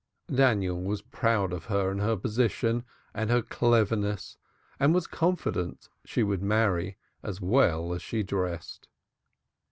Daniel was proud of her and her position and her cleverness and was confident she would marry as well as she dressed.